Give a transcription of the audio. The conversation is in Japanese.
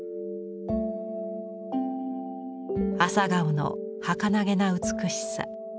朝顔のはかなげな美しさ。